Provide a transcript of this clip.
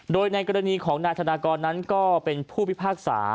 โดยในกรณีของนายธนากรนั้นก็เป็นผู้พิพากษา